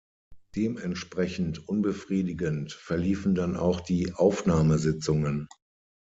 Dementsprechend unbefriedigend verliefen dann auch die Aufnahmesitzungen.